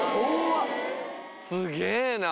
すげえな。